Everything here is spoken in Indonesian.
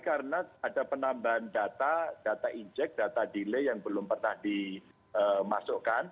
karena ada penambahan data data inject data delay yang belum pernah dimasukkan